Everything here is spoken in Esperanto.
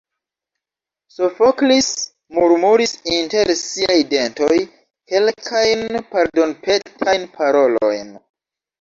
Sofoklis murmuris inter siaj dentoj kelkajn pardonpetajn parolojn.